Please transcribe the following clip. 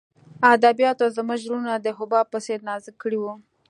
ادبیاتو زموږ زړونه د حباب په څېر نازک کړي وو